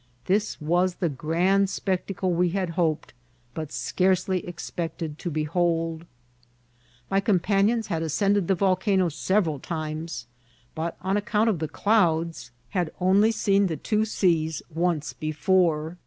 This was the grand spectacle we had hoped, but scarcely expect ed to behold. My companions had ascended the vol cano several times^ but on account of the clouds had 806 IKCIDXKTS or TEATXL. only seen the two seas onee before.